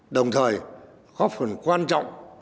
đồng thời góp phần quan trọng